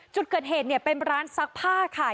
จุดเกิดเหตุเนี่ยเป็นร้านซักผ้าค่ะ